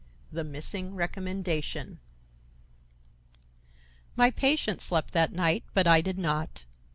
THE MISSING RECOMMENDATION My patient slept that night, but I did not.